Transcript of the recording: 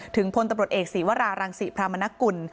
พลตำรวจเอกศีวรารังศิพรามนกุล